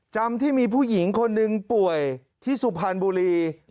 จำที่มีผู้หญิงคนหนึ่งป่วยที่สุพรรณบุรี